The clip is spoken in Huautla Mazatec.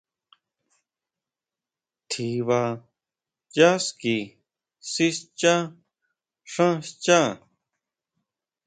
Tjiba yá ski sischa xán xchá.